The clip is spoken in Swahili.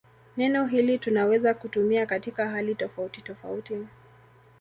Neno hili tunaweza kutumia katika hali tofautitofauti.